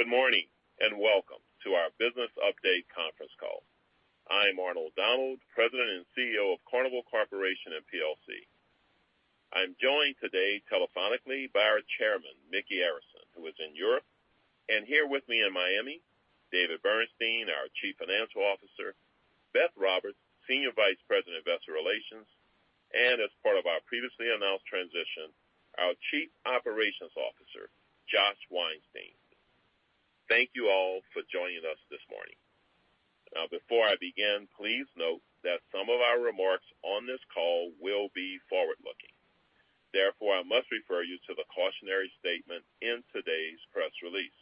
Good morning, and welcome to our Business Update Conference Call. I'm Arnold Donald, President and CEO of Carnival Corporation & plc. I'm joined today telephonically by our Chairman, Micky Arison, who is in Europe, and here with me in Miami, David Bernstein, our Chief Financial Officer, Beth Roberts, Senior Vice President of Investor Relations, and as part of our previously announced transition, our Chief Operations Officer, Josh Weinstein. Thank you all for joining us this morning. Now, before I begin, please note that some of our remarks on this call will be forward-looking. Therefore, I must refer you to the cautionary statement in today's press release.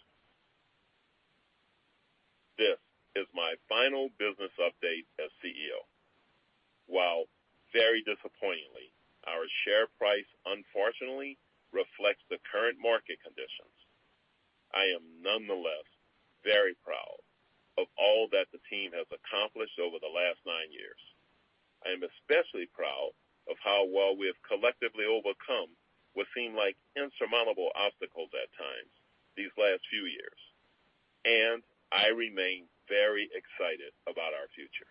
This is my final business update as CEO. While very disappointingly, our share price unfortunately reflects the current market conditions, I am nonetheless very proud of all that the team has accomplished over the last nine years. I am especially proud of how well we have collectively overcome what seemed like insurmountable obstacles at times these last few years. I remain very excited about our future.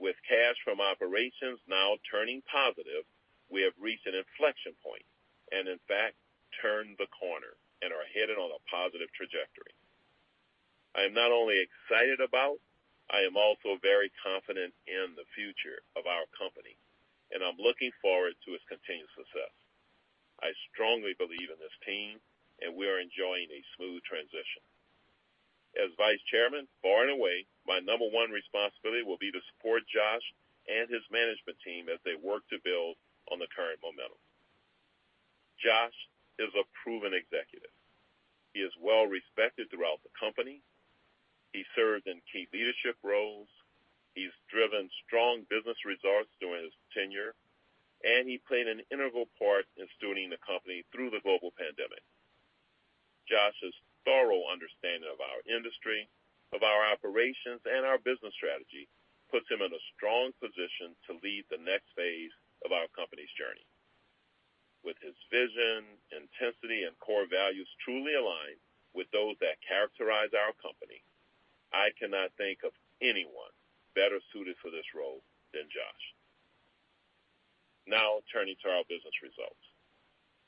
With cash from operations now turning positive, we have reached an inflection point and in fact, turned the corner and are headed on a positive trajectory. I am not only excited about, I am also very confident in the future of our company, and I'm looking forward to its continued success. I strongly believe in this team, and we are enjoying a smooth transition. As Vice Chairman, far and away, my number one responsibility will be to support Josh and his management team as they work to build on the current momentum. Josh is a proven executive. He is well-respected throughout the company. He serves in key leadership roles. He's driven strong business results during his tenure, and he played an integral part in stewarding the company through the global pandemic. Josh's thorough understanding of our industry, of our operations, and our business strategy puts him in a strong position to lead the next phase of our company's journey. With his vision, intensity, and core values truly aligned with those that characterize our company, I cannot think of anyone better suited for this role than Josh. Now turning to our business results.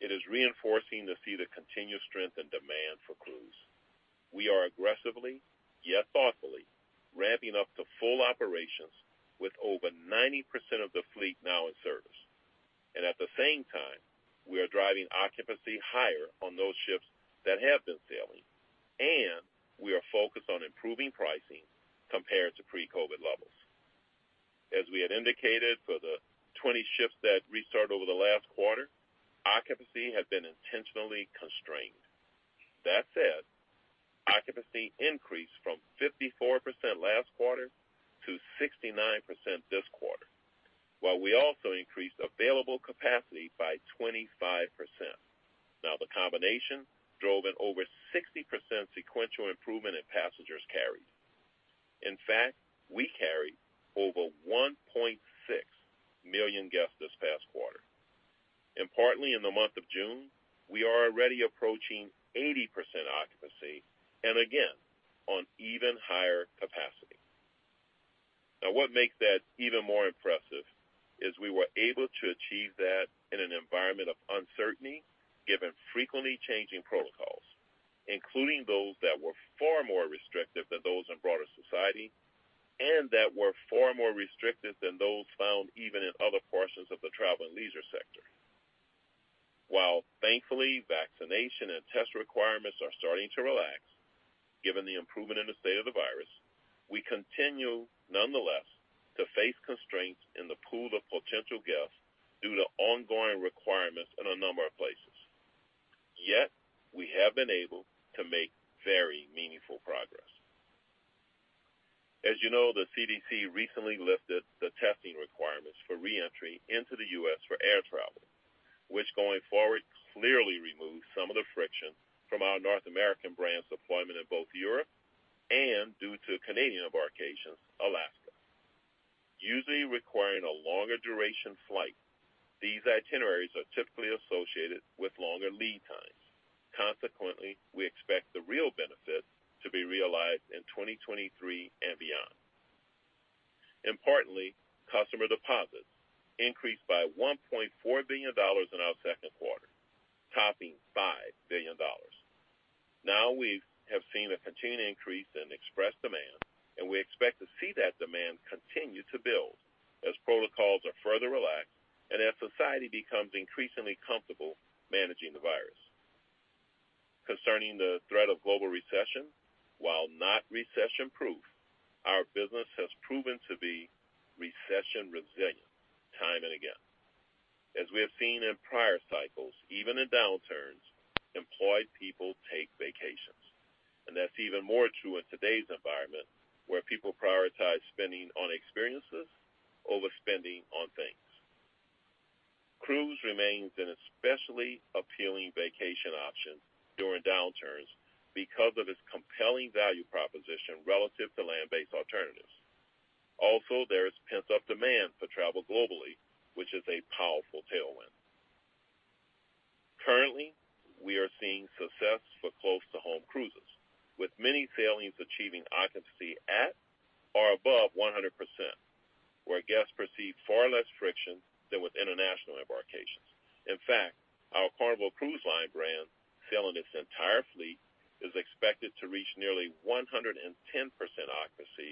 It is reassuring to see the continued strength and demand for cruise. We are aggressively, yet thoughtfully, ramping up to full operations with over 90% of the fleet now in service. At the same time, we are driving occupancy higher on those ships that have been sailing, and we are focused on improving pricing compared to pre-COVID levels. As we had indicated for the 20 ships that restarted over the last quarter, occupancy has been intentionally constrained. That said, occupancy increased from 54% last quarter to 69% this quarter, while we also increased available capacity by 25%. Now, the combination drove an over 60% sequential improvement in passengers carried. In fact, we carried over 1.6 million guests this past quarter. Partly in the month of June, we are already approaching 80% occupancy, and again, on even higher capacity. Now, what makes that even more impressive is we were able to achieve that in an environment of uncertainty, given frequently changing protocols, including those that were far more restrictive than those in broader society, and that were far more restrictive than those found even in other portions of the travel and leisure sector. While thankfully, vaccination and test requirements are starting to relax, given the improvement in the state of the virus, we continue nonetheless to face constraints in the pool of potential guests due to ongoing requirements in a number of places. Yet, we have been able to make very meaningful progress. As you know, the CDC recently lifted the testing requirements for re-entry into the U.S. for air travel, which going forward, clearly removes some of the friction from our North American brands' deployment in both Europe and due to Canadian embarkations, Alaska. Usually requiring a longer duration flight, these itineraries are typically associated with longer lead times. Consequently, we expect the real benefit to be realized in 2023 and beyond. Importantly, customer deposits increased by $1.4 billion in our second quarter, topping $5 billion. Now we've seen a continued increase in express demand, and we expect to see that demand continue to build as protocols are further relaxed and as society becomes increasingly comfortable managing the virus. Concerning the threat of global recession, while not recession-proof, our business has proven to be recession-resilient time and again. As we have seen in prior cycles, even in downturns, employed people take vacations. That's even more true in today's environment, where people prioritize spending on experiences over spending on things. Cruise remains an especially appealing vacation option during downturns because of its compelling value proposition relative to land-based alternatives. Also, there is pent-up demand for travel globally, which is a powerful tailwind. Currently, we are seeing success for close-to-home cruises, with many sailings achieving occupancy at or above 100%, where guests perceive far less friction than with international embarkations. In fact, our Carnival Cruise Line brand, sailing its entire fleet, is expected to reach nearly 110% occupancy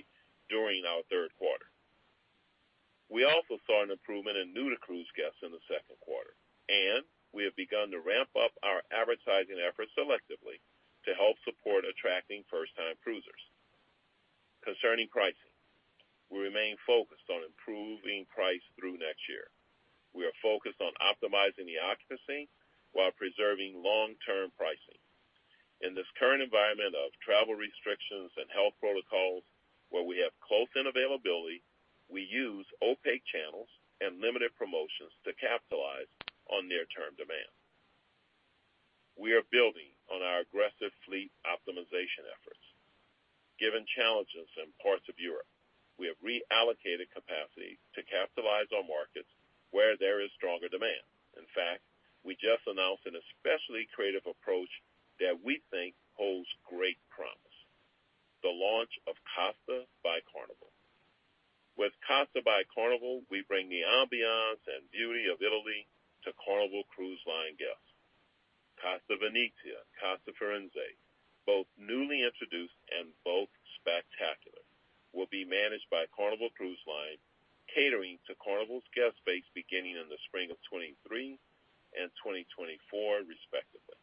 during our third quarter. We also saw an improvement in new-to-cruise guests in the second quarter, and we have begun to ramp up our advertising efforts selectively to help support attracting first-time cruisers. Concerning pricing, we remain focused on improving price through next year. We are focused on optimizing the occupancy while preserving long-term pricing. In this current environment of travel restrictions and health protocols, where we have close-in availability, we use opaque channels and limited promotions to capitalize on near-term demand. We are building on our aggressive fleet optimization efforts. Given challenges in parts of Europe, we have reallocated capacity to capitalize on markets where there is stronger demand. In fact, we just announced an especially creative approach that we think holds great promise, the launch of Costa by Carnival. With Costa by Carnival, we bring the ambiance and beauty of Italy to Carnival Cruise Line guests. Costa Venezia, Costa Firenze, both newly introduced and both spectacular, will be managed by Carnival Cruise Line, catering to Carnival's guest base beginning in the spring of 2023 and 2024, respectively.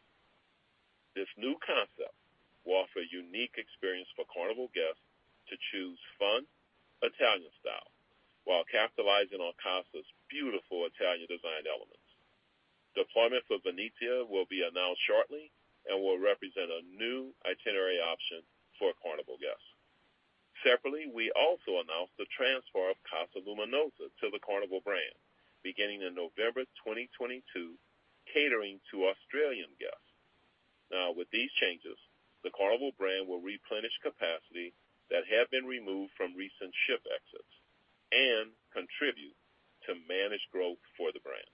This new concept will offer a unique experience for Carnival guests to choose fun Italian style while capitalizing on Costa's beautiful Italian design elements. Deployment for Venezia will be announced shortly and will represent a new itinerary option for Carnival guests. Separately, we also announced the transfer of Costa Luminosa to the Carnival brand beginning in November 2022, catering to Australian guests. Now, with these changes, the Carnival brand will replenish capacity that had been removed from recent ship exits and contribute to managed growth for the brand.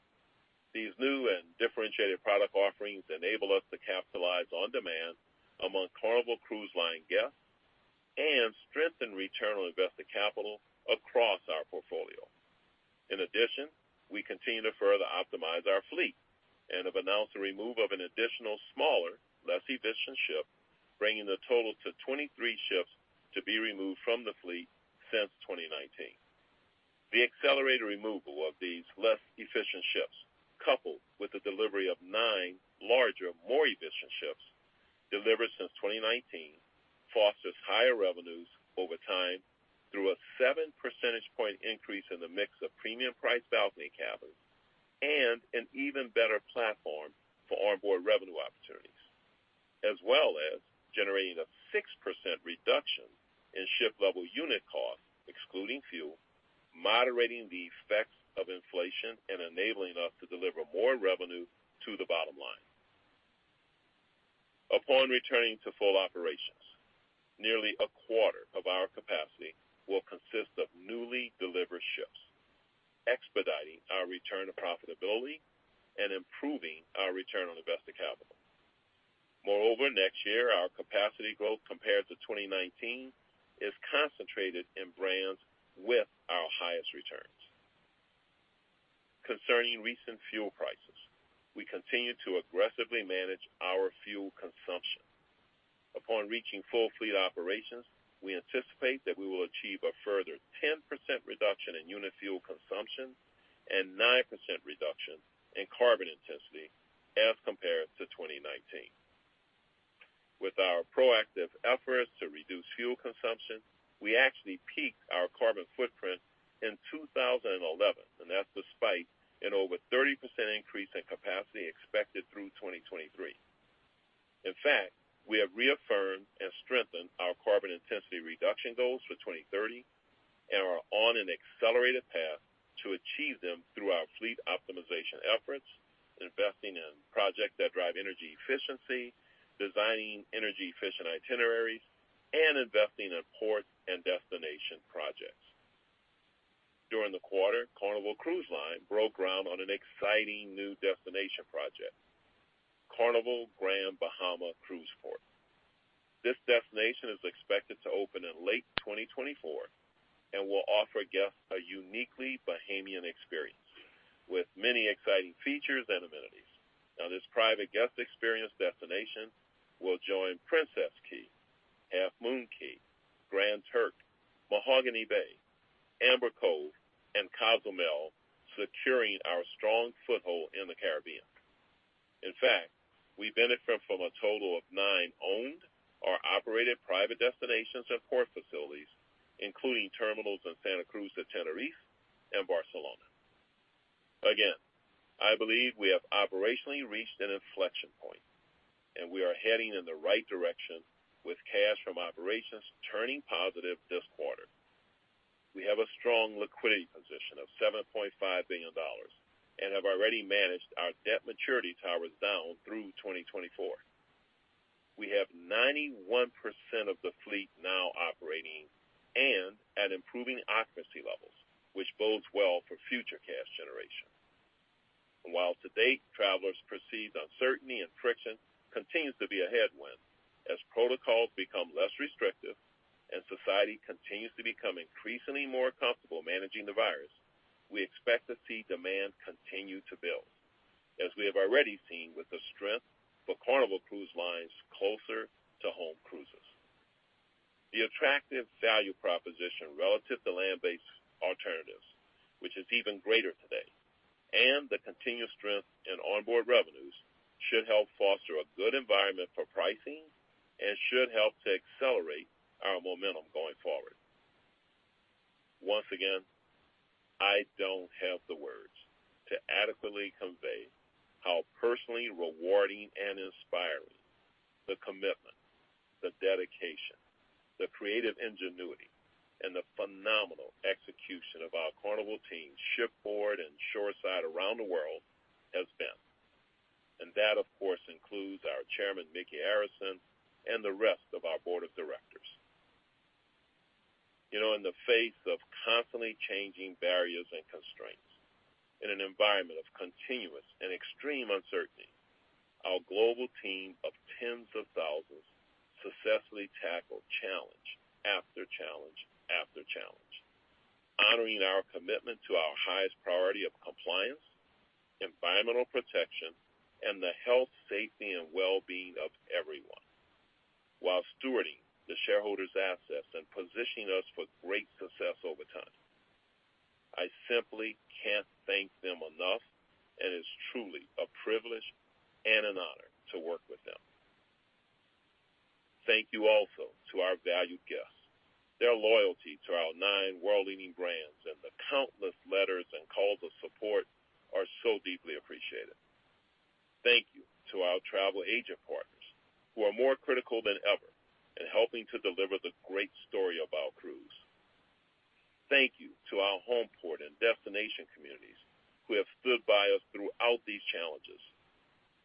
These new and differentiated product offerings enable us to capitalize on demand among Carnival Cruise Line guests and strengthen return on invested capital across our portfolio. In addition, we continue to further optimize our fleet and have announced the removal of an additional smaller, less efficient ship, bringing the total to 23 ships to be removed from the fleet since 2019. The accelerated removal of these less efficient ships, coupled with the delivery of nine larger, more efficient ships delivered since 2019, fosters higher revenues over time through a 7 percentage point increase in the mix of premium-priced balcony cabins and an even better platform for onboard revenue opportunities, as well as generating a 6% reduction in ship-level unit costs, excluding fuel, moderating the effects of inflation and enabling us to deliver more revenue to the bottom line. Upon returning to full operations, nearly a quarter of our capacity will consist of newly delivered ships, expediting our return to profitability and improving our return on invested capital. Moreover, next year, our capacity growth compared to 2019 is concentrated in brands with our highest returns. Concerning recent fuel prices, we continue to aggressively manage our fuel consumption. Upon reaching full fleet operations, we anticipate that we will achieve a further 10% reduction in unit fuel consumption and 9% reduction in carbon intensity as compared to 2019. With our proactive efforts to reduce fuel consumption, we actually peaked our carbon footprint in 2011, and that's despite an over 30% increase in capacity expected through 2023. In fact, we have reaffirmed and strengthened our carbon intensity reduction goals for 2030 and are on an accelerated path to achieve them through our fleet optimization efforts, investing in projects that drive energy efficiency, designing energy-efficient itineraries, and investing in port and destination projects. During the quarter, Carnival Cruise Line broke ground on an exciting new destination project, Carnival Grand Bahama Cruise Port. This destination is expected to open in late 2024 and will offer guests a uniquely Bahamian experience with many exciting features and amenities. Now this private guest experience destination will join Princess Cays, Half Moon Cay, Grand Turk, Mahogany Bay, Amber Cove, and Cozumel, securing our strong foothold in the Caribbean. In fact, we benefit from a total of nine owned or operated private destinations and port facilities, including terminals in Santa Cruz de Tenerife and Barcelona. Again, I believe we have operationally reached an inflection point, and we are heading in the right direction with cash from operations turning positive this quarter. We have a strong liquidity position of $7.5 billion and have already managed our debt maturity towers down through 2024. We have 91% of the fleet now operating and at improving occupancy levels, which bodes well for future cash generation. While to date, travelers perceive uncertainty and friction continues to be a headwind, as protocols become less restrictive and society continues to become increasingly more comfortable managing the virus, we expect to see demand continue to build as we have already seen with the strength for Carnival Cruise Line closer to home cruises. The attractive value proposition relative to land-based alternatives, which is even greater today, and the continued strength in onboard revenues should help foster a good environment for pricing and should help to accelerate our momentum going forward. Once again, I don't have the words to adequately convey how personally rewarding and inspiring the commitment, the dedication, the creative ingenuity, and the phenomenal execution of our Carnival team, shipboard, and shoreside around the world has been. That, of course, includes our chairman, Micky Arison, and the rest of our board of directors. You know, in the face of constantly changing barriers and constraints, in an environment of continuous and extreme uncertainty, our global team of tens of thousands successfully tackled challenge after challenge after challenge, honoring our commitment to our highest priority of compliance, environmental protection, and the health, safety, and well-being of everyone while stewarding the shareholders' assets and positioning us for great success over time. I simply can't thank them enough, and it's truly a privilege and an honor to work with them. Thank you also to our valued guests. Their loyalty to our nine world-leading brands and the countless letters and calls of support are so deeply appreciated. Thank you to our travel agent partners who are more critical than ever in helping to deliver the great story of our cruise. Thank you to our home port and destination communities who have stood by us throughout these challenges,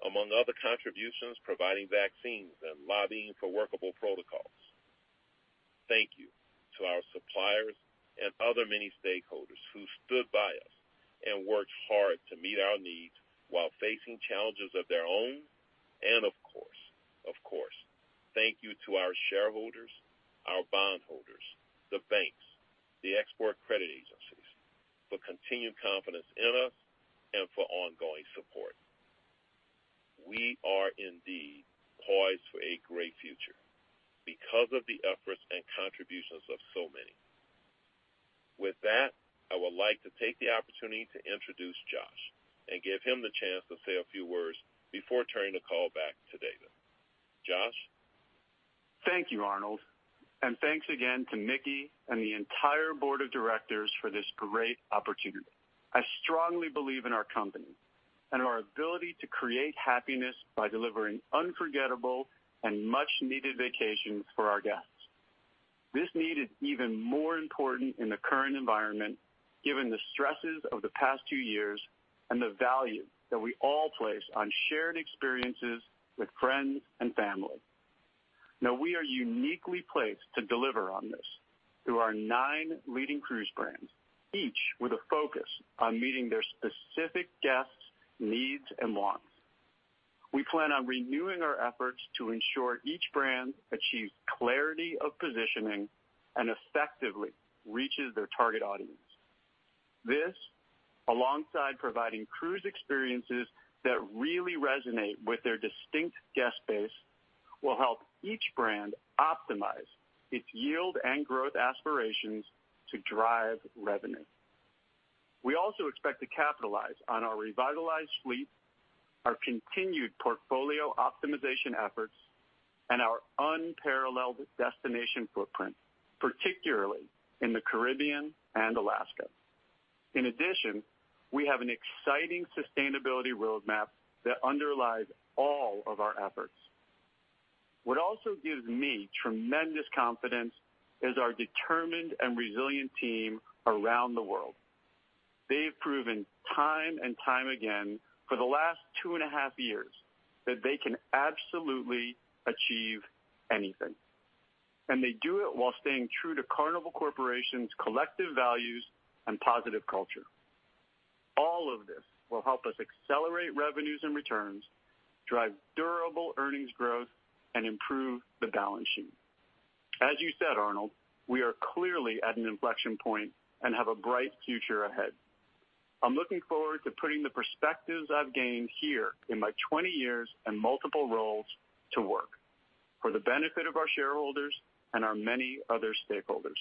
among other contributions, providing vaccines and lobbying for workable protocols. Thank you to our suppliers and other many stakeholders who stood by us and worked hard to meet our needs while facing challenges of their own. Of course, thank you to our shareholders, our bondholders, the banks, the export credit agencies for continued confidence in us and for ongoing support. We are indeed poised for a great future because of the efforts and contributions of so many. With that, I would like to take the opportunity to introduce Josh and give him the chance to say a few words before turning the call back to David. Josh? Thank you, Arnold. Thanks again to Micky and the entire board of directors for this great opportunity. I strongly believe in our company and our ability to create happiness by delivering unforgettable and much-needed vacations for our guests. This need is even more important in the current environment, given the stresses of the past two years and the value that we all place on shared experiences with friends and family. Now, we are uniquely placed to deliver on this through our nine leading cruise brands, each with a focus on meeting their specific guests' needs and wants. We plan on renewing our efforts to ensure each brand achieves clarity of positioning and effectively reaches their target audience. This, alongside providing cruise experiences that really resonate with their distinct guest base, will help each brand optimize its yield and growth aspirations to drive revenue. We also expect to capitalize on our revitalized fleet, our continued portfolio optimization efforts, and our unparalleled destination footprint, particularly in the Caribbean and Alaska. In addition, we have an exciting sustainability roadmap that underlies all of our efforts. What also gives me tremendous confidence is our determined and resilient team around the world. They've proven time and time again for the last two and a half years that they can absolutely achieve anything, and they do it while staying true to Carnival Corporation's collective values and positive culture. All of this will help us accelerate revenues and returns, drive durable earnings growth, and improve the balance sheet. As you said, Arnold, we are clearly at an inflection point and have a bright future ahead. I'm looking forward to putting the perspectives I've gained here in my 20 years and multiple roles to work for the benefit of our shareholders and our many other stakeholders.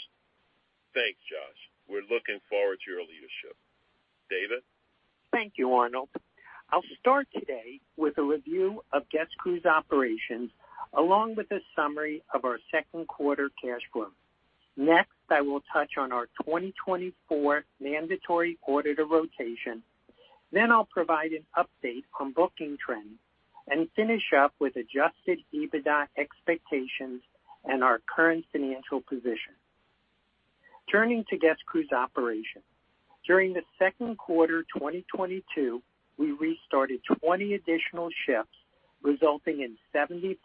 Thanks, Josh. We're looking forward to your leadership. David? Thank you, Arnold. I'll start today with a review of guest cruise operations, along with a summary of our second quarter cash flow. Next, I will touch on our 2024 mandatory auditor rotation, then I'll provide an update on booking trends and finish up with adjusted EBITDA expectations and our current financial position. Turning to guest cruise operations. During the second quarter 2022, we restarted 20 additional ships, resulting in 74%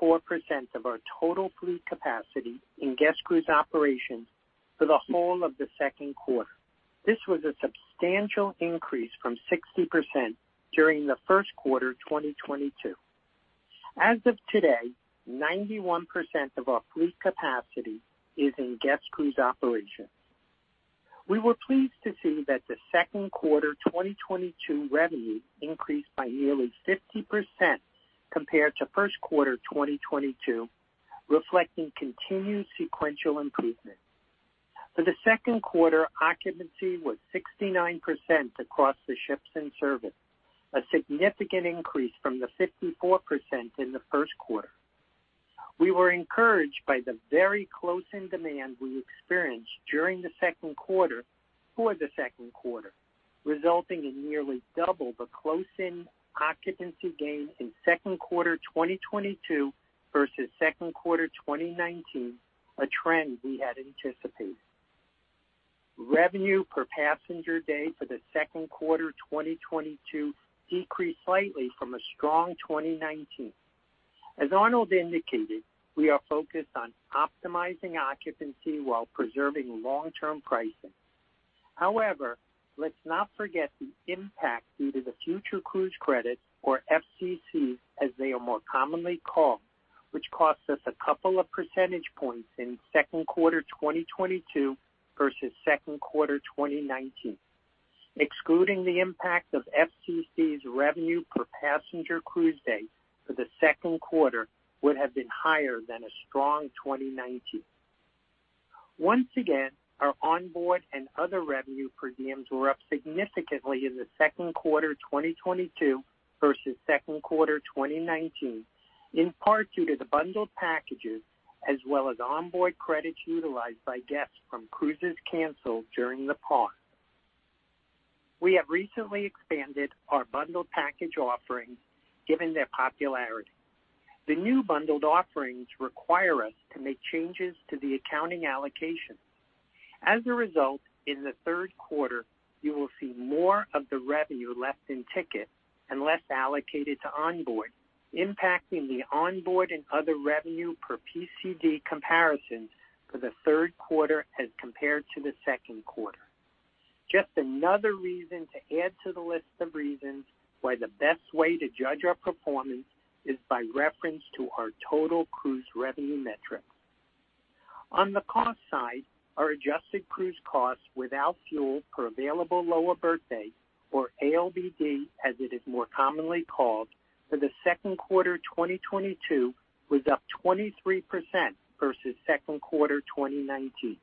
of our total fleet capacity in guest cruise operations for the whole of the second quarter. This was a substantial increase from 60% during the first quarter 2022. As of today, 91% of our fleet capacity is in guest cruise operations. We were pleased to see that the second quarter 2022 revenue increased by nearly 50% compared to first quarter 2022, reflecting continued sequential improvement. For the second quarter, occupancy was 69% across the ships in service, a significant increase from the 54% in the first quarter. We were encouraged by the very close-in demand we experienced during the second quarter for the second quarter, resulting in nearly double the close-in occupancy gains in second quarter 2022 versus second quarter 2019, a trend we had anticipated. Revenue per passenger day for the second quarter 2022 decreased slightly from a strong 2019. As Arnold Donald indicated, we are focused on optimizing occupancy while preserving long-term pricing. However, let's not forget the impact due to the future cruise credits, or FCCs as they are more commonly called, which cost us a couple of percentage points in second quarter 2022 versus second quarter 2019. Excluding the impact of FCCs revenue per passenger cruise day for the second quarter would have been higher than a strong 2019. Once again, our onboard and other revenue per diems were up significantly in the second quarter 2022 versus second quarter 2019, in part due to the bundled packages as well as onboard credits utilized by guests from cruises canceled during the pause. We have recently expanded our bundled package offerings given their popularity. The new bundled offerings require us to make changes to the accounting allocation. As a result, in the third quarter, you will see more of the revenue in ticket and less allocated to onboard, impacting the onboard and other revenue per PCD comparisons for the third quarter as compared to the second quarter. Just another reason to add to the list of reasons why the best way to judge our performance is by reference to our total cruise revenue metric. On the cost side, our adjusted cruise costs without fuel per available lower berth day, or ALBD as it is more commonly called, for the second quarter 2022 was up 23% versus second quarter 2019.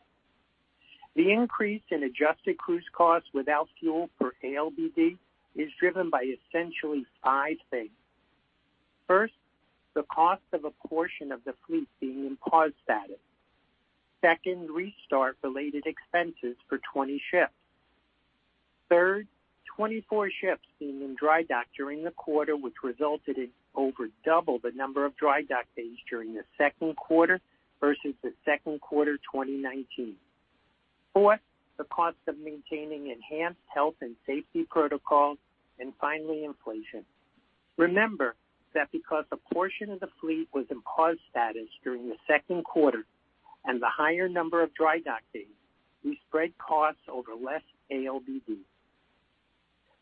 The increase in adjusted cruise costs without fuel per ALBD is driven by essentially five things. First, the cost of a portion of the fleet being in pause status. Second, restart-related expenses for 20 ships. Third, 24 ships being in dry dock during the quarter, which resulted in over double the number of dry dock days during the second quarter versus the second quarter 2019. Fourth, the cost of maintaining enhanced health and safety protocols. And finally, inflation. Remember that because a portion of the fleet was in pause status during the second quarter and the higher number of dry dock days, we spread costs over less ALBD.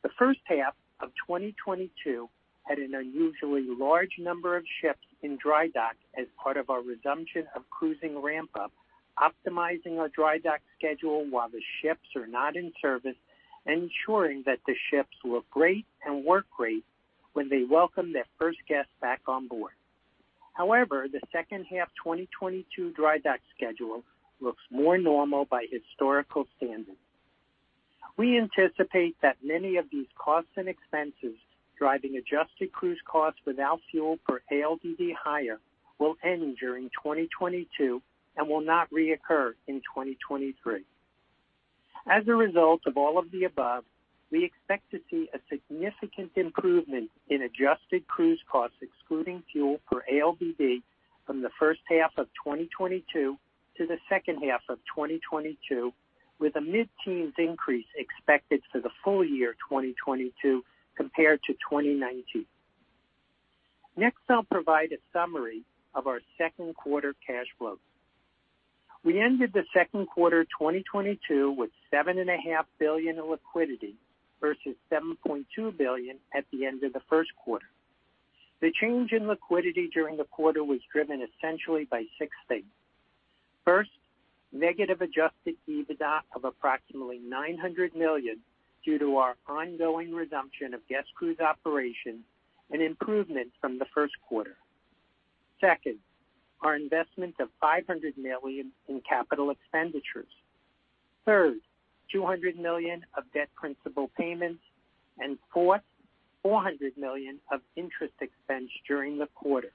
The first half of 2022 had an unusually large number of ships in dry dock as part of our resumption of cruising ramp-up, optimizing our dry dock schedule while the ships are not in service, ensuring that the ships look great and work great when they welcome their first guest back on board. However, the second half 2022 dry dock schedule looks more normal by historical standards. We anticipate that many of these costs and expenses driving adjusted cruise costs without fuel per ALBD higher will end during 2022 and will not reoccur in 2023. As a result of all of the above, we expect to see a significant improvement in adjusted cruise costs excluding fuel per ALBD from the first half of 2022 to the second half of 2022, with a mid-teens% increase expected for the full year 2022 compared to 2019. Next, I'll provide a summary of our second quarter cash flow. We ended the second quarter 2022 with $7.5 billion in liquidity versus $7.2 billion at the end of the first quarter. The change in liquidity during the quarter was driven essentially by six things. First, negative adjusted EBITDA of approximately $900 million due to our ongoing resumption of guest cruise operation, an improvement from the first quarter. Second, our investment of $500 million in capital expenditures. Third, $200 million of debt principal payments. Fourth, $400 million of interest expense during the quarter.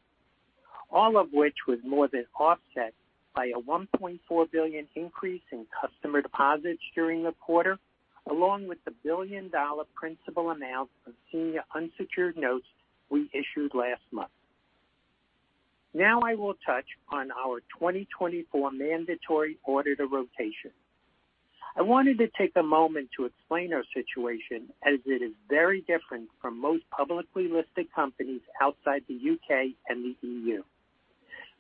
All of which was more than offset by a $1.4 billion increase in customer deposits during the quarter, along with the $1 billion principal amount of senior unsecured notes we issued last month. Now I will touch on our 2024 mandatory auditor rotation. I wanted to take a moment to explain our situation as it is very different from most publicly listed companies outside the U.K.. and the E.U.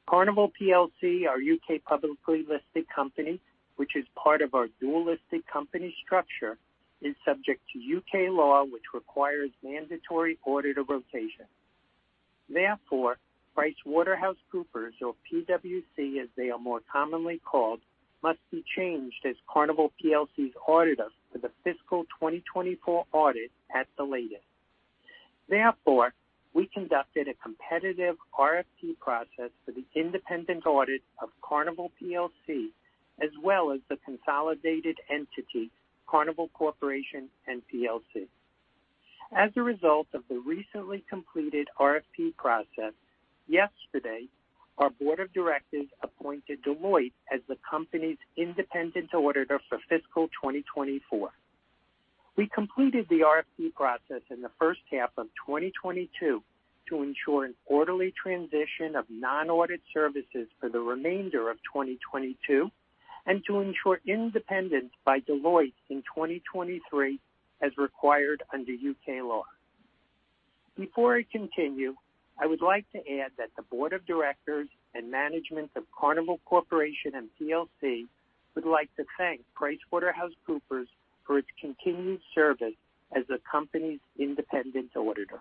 Carnival plc, our U.K. publicly listed company, which is part of our dual listed company structure, is subject to U.K. law, which requires mandatory auditor rotation. Therefore, PricewaterhouseCoopers, or PwC as they are more commonly called, must be changed as Carnival plc's auditor for the fiscal 2024 audit at the latest. Therefore, we conducted a competitive RFP process for the independent audit of Carnival plc, as well as the consolidated entity, Carnival Corporation & plc. As a result of the recently completed RFP process, yesterday, our board of directors appointed Deloitte as the company's independent auditor for fiscal 2024. We completed the RFP process in the first half of 2022 to ensure an orderly transition of non-audit services for the remainder of 2022, and to ensure independence by Deloitte in 2023, as required under U.K. law. Before I continue, I would like to add that the board of directors and management of Carnival Corporation & plc would like to thank PricewaterhouseCoopers for its continued service as the company's independent auditor.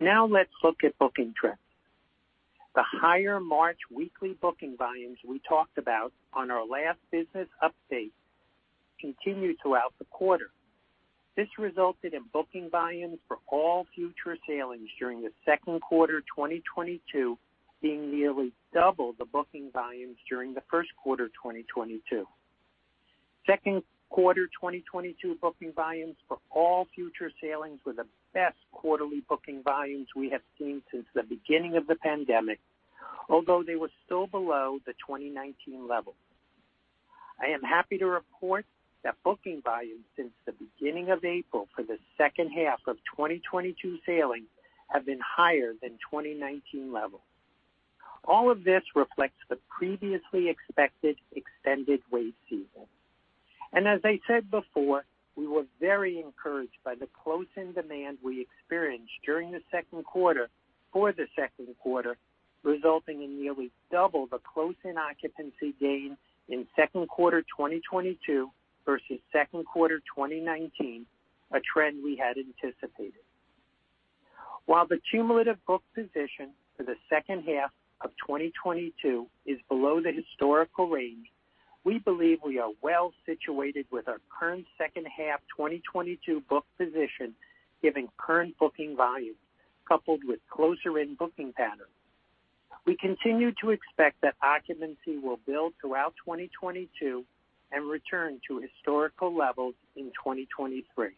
Now let's look at booking trends. The higher March weekly booking volumes we talked about on our last business update continued throughout the quarter. This resulted in booking volumes for all future sailings during the second quarter 2022 being nearly double the booking volumes during the first quarter 2022. Second quarter 2022 booking volumes for all future sailings were the best quarterly booking volumes we have seen since the beginning of the pandemic, although they were still below the 2019 level. I am happy to report that booking volumes since the beginning of April for the second half of 2022 sailing have been higher than 2019 levels. All of this reflects the previously expected extended wave season. As I said before, we were very encouraged by the close-in demand we experienced during the second quarter for the second quarter, resulting in nearly double the close-in occupancy gain in second quarter 2022 versus second quarter 2019, a trend we had anticipated. While the cumulative book position for the second half of 2022 is below the historical range, we believe we are well situated with our current second half 2022 book position, giving current booking volumes coupled with closer in booking patterns. We continue to expect that occupancy will build throughout 2022 and return to historical levels in 2023.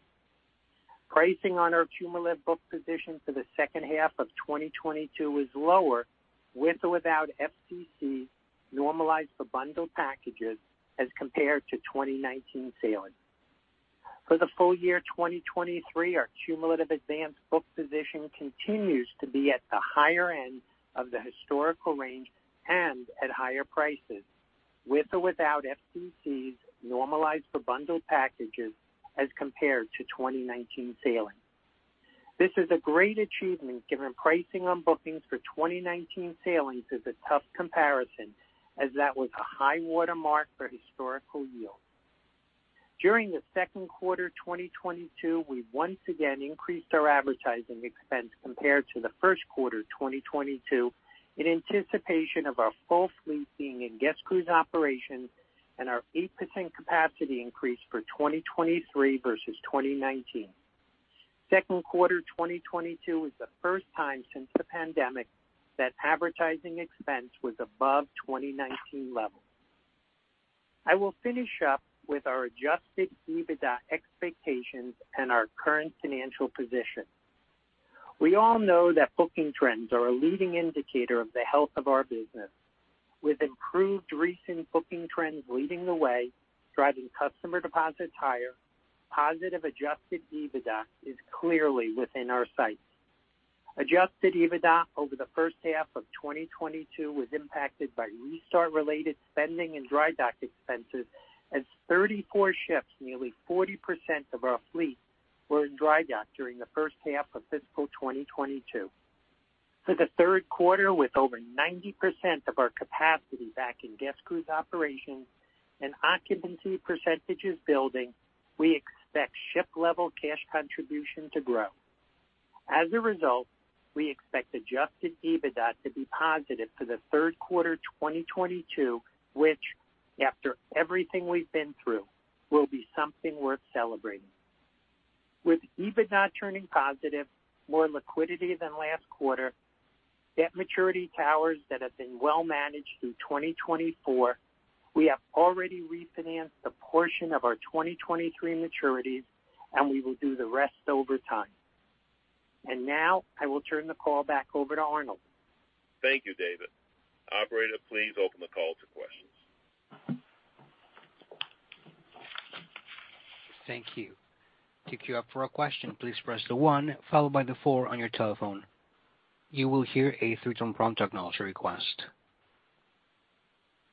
Pricing on our cumulative book position for the second half of 2022 is lower, with or without FCC, normalized for bundle packages as compared to 2019 sailings. For the full year 2023, our cumulative advanced book position continues to be at the higher end of the historical range and at higher prices, with or without FCCs normalized for bundle packages as compared to 2019 sailings. This is a great achievement given pricing on bookings for 2019 sailings is a tough comparison as that was a high watermark for historical yield. During the second quarter 2022, we once again increased our advertising expense compared to the first quarter 2022 in anticipation of our full fleet being in guest cruise operations and our 8% capacity increase for 2023 versus 2019. Second quarter 2022 is the first time since the pandemic that advertising expense was above 2019 levels. I will finish up with our adjusted EBITDA expectations and our current financial position. We all know that booking trends are a leading indicator of the health of our business. With improved recent booking trends leading the way, driving customer deposits higher, positive adjusted EBITDA is clearly within our sights. Adjusted EBITDA over the first half of 2022 was impacted by restart-related spending and dry dock expenses as 34 ships, nearly 40% of our fleet, were in dry dock during the first half of fiscal 2022. For the third quarter, with over 90% of our capacity back in guest cruise operations and occupancy percentages building, we expect ship-level cash contribution to grow. As a result, we expect adjusted EBITDA to be positive for the third quarter 2022, which after everything we've been through, will be something worth celebrating. With EBITDA turning positive, more liquidity than last quarter, debt maturity towers that have been well managed through 2024, we have already refinanced a portion of our 2023 maturities, and we will do the rest over time. Now I will turn the call back over to Arnold. Thank you, David. Operator, please open the call to questions. Thank you. To queue up for a question, please press the one followed by the four on your telephone. You will hear a three-tone prompt to acknowledge your request.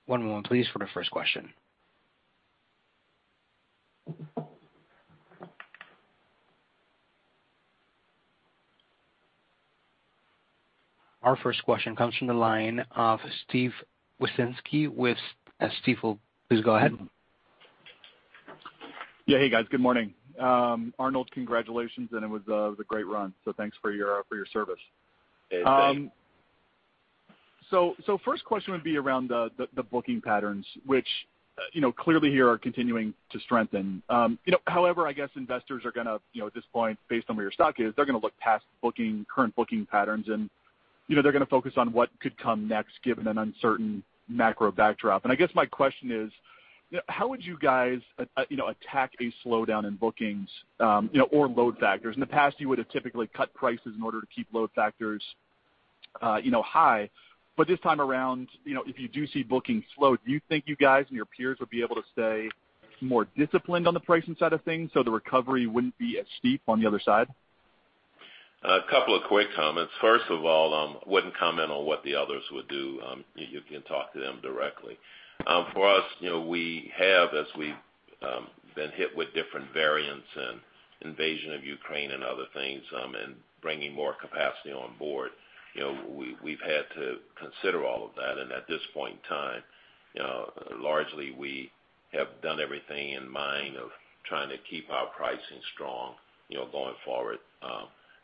One moment please for the first question. Our first question comes from the line of Steve Wieczynski with Stifel, please go ahead. Yeah. Hey, guys. Good morning. Arnold, congratulations, it was a great run, so thanks for your service. Hey, Steve. First question would be around the booking patterns, which, you know, clearly here are continuing to strengthen. You know, however, I guess investors are gonna, you know, at this point, based on where your stock is, they're gonna look past booking, current booking patterns and, you know, they're gonna focus on what could come next given an uncertain macro backdrop. I guess my question is, you know, how would you guys, you know, attack a slowdown in bookings, you know, or load factors? In the past, you would have typically cut prices in order to keep load factors, you know, high. This time around, you know, if you do see bookings slow, do you think you guys and your peers will be able to stay more disciplined on the pricing side of things so the recovery wouldn't be as steep on the other side? A couple of quick comments. First of all, wouldn't comment on what the others would do. You can talk to them directly. For us, you know, we have, as we've been hit with different variants and invasion of Ukraine and other things, and bringing more capacity on board, you know, we've had to consider all of that. At this point in time, you know, largely we have done everything in mind of trying to keep our pricing strong, you know, going forward,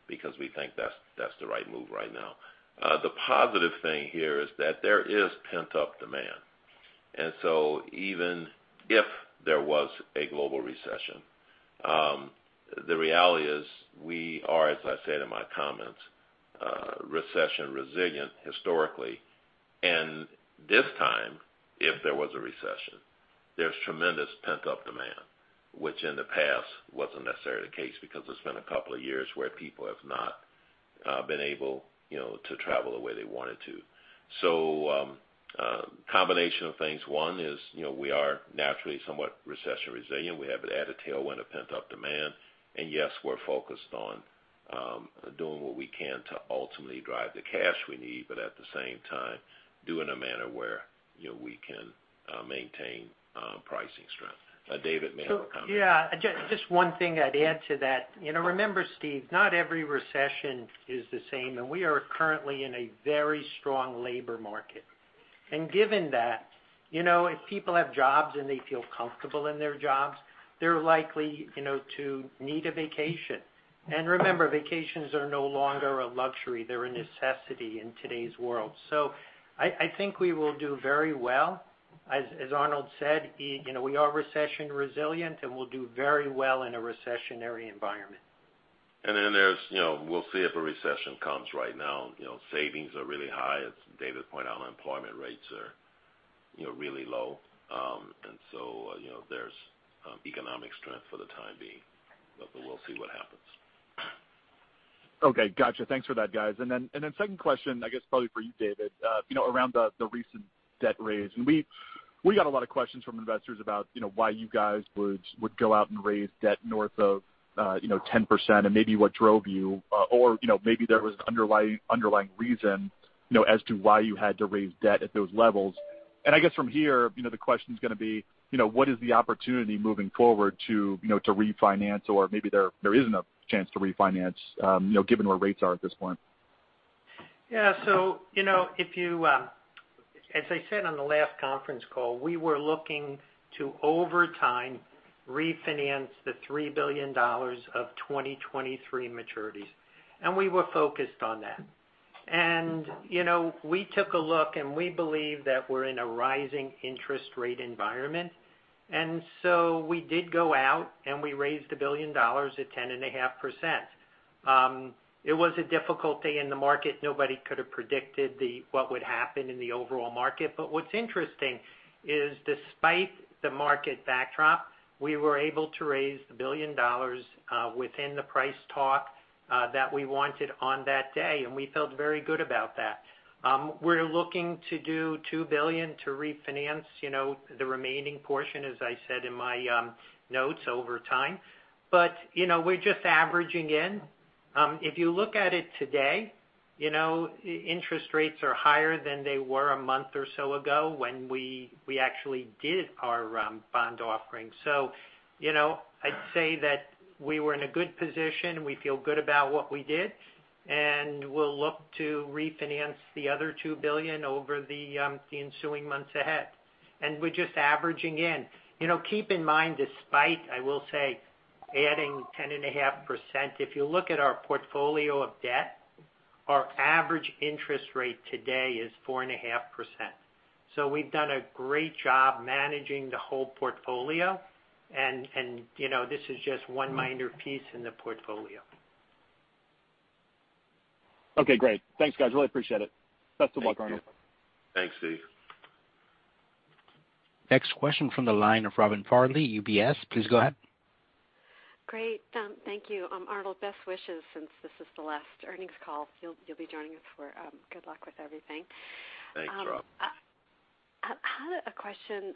because we think that's the right move right now. The positive thing here is that there is pent-up demand. Even if there was a global recession, the reality is we are, as I said in my comments, recession resilient historically. This time, if there was a recession, there's tremendous pent-up demand, which in the past wasn't necessarily the case because it's been a couple of years where people have not been able, you know, to travel the way they wanted to. Combination of things. One is, you know, we are naturally somewhat recession resilient. We have an added tailwind of pent-up demand. Yes, we're focused on doing what we can to ultimately drive the cash we need, but at the same time, do in a manner where, you know, we can maintain pricing strength. David may have a comment. Yeah, just one thing I'd add to that. You know, remember, Steve, not every recession is the same, and we are currently in a very strong labor market. Given that, you know, if people have jobs and they feel comfortable in their jobs, they're likely, you know, to need a vacation. Remember, vacations are no longer a luxury, they're a necessity in today's world. I think we will do very well. As Arnold said, you know, we are recession resilient, and we'll do very well in a recessionary environment. There's, you know, we'll see if a recession comes right now. You know, savings are really high. As David pointed out, unemployment rates are, you know, really low. You know, there's economic strength for the time being, but we'll see what happens. Okay. Gotcha. Thanks for that, guys. Second question, I guess probably for you, David, you know, around the recent debt raise. We got a lot of questions from investors about, you know, why you guys would go out and raise debt north of, you know, 10% and maybe what drove you, or, you know, maybe there was an underlying reason, you know, as to why you had to raise debt at those levels. I guess from here, you know, the question's gonna be, you know, what is the opportunity moving forward to, you know, to refinance or maybe there isn't a chance to refinance, you know, given where rates are at this point? Yeah. You know, as I said on the last conference call, we were looking to, over time, refinance the $3 billion of 2023 maturities, and we were focused on that. You know, we took a look, and we believe that we're in a rising interest rate environment. We did go out, and we raised $1 billion at 10.5%. It was a difficult day in the market. Nobody could have predicted what would happen in the overall market. What's interesting is despite the market backdrop, we were able to raise $1 billion within the price talk that we wanted on that day, and we felt very good about that. We're looking to do $2 billion to refinance, you know, the remaining portion, as I said in my notes, over time. You know, we're just averaging in. If you look at it today, you know, interest rates are higher than they were a month or so ago when we actually did our bond offering. You know, I'd say that we were in a good position. We feel good about what we did, and we'll look to refinance the other $2 billion over the ensuing months ahead. We're just averaging in. You know, keep in mind, despite, I will say, adding 10.5%, if you look at our portfolio of debt, our average interest rate today is 4.5%. We've done a great job managing the whole portfolio and you know, this is just one minor piece in the portfolio. Okay, great. Thanks, guys. Really appreciate it. Best of luck, Arnold. Thanks, Steve. Next question from the line of Robin Farley, UBS. Please go ahead. Great. Thank you. Arnold, best wishes since this is the last earnings call you'll be joining us for, good luck with everything. Thanks, Robin. I had a question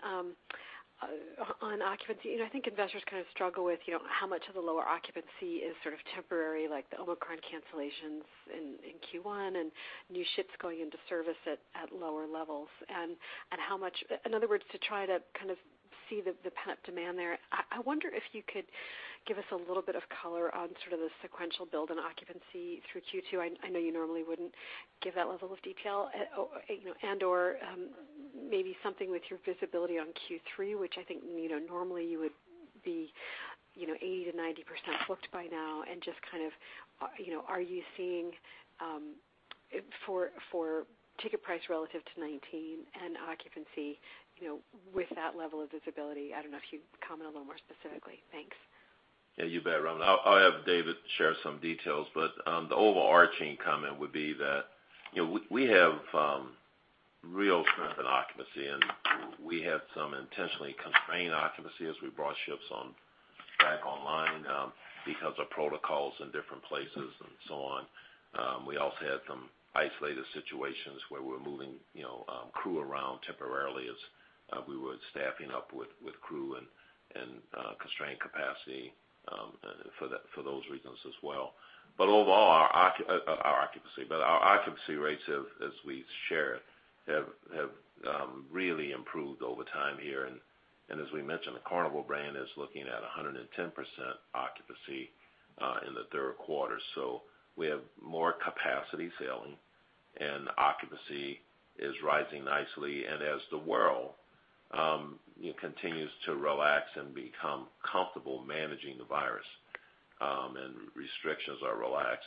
on occupancy. You know, I think investors kind of struggle with, you know, how much of the lower occupancy is sort of temporary, like the Omicron cancellations in Q1 and new ships going into service at lower levels, and how much. In other words, to try to kind of see the pent-up demand there. I wonder if you could give us a little bit of color on sort of the sequential build and occupancy through Q2. I know you normally wouldn't give that level of detail. Maybe something with your visibility on Q3, which I think, you know, normally you would be, you know, 80%-90% booked by now and just kind of, you know, are you seeing for ticket price relative to 2019 and occupancy, you know, with that level of visibility? I don't know if you'd comment a little more specifically. Thanks. Yeah, you bet, Robin. I'll have David share some details, but the overarching comment would be that, you know, we have real strength in occupancy, and we had some intentionally constrained occupancy as we brought ships back online because of protocols in different places and so on. We also had some isolated situations where we're moving, you know, crew around temporarily as we were staffing up with crew and constrained capacity, and for those reasons as well. Overall our occupancy rates have, as we've shared, really improved over time here. As we mentioned, the Carnival brand is looking at 110% occupancy in the third quarter. We have more capacity sailing and occupancy is rising nicely. As the world, you know, continues to relax and become comfortable managing the virus, and restrictions are relaxed,